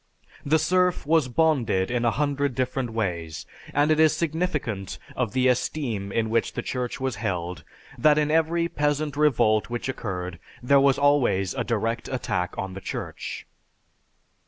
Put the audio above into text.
The serf was bonded in a hundred different ways, and it is significant of the esteem in which the Church was held that in every peasant revolt which occurred, there was always a direct attack on the Church.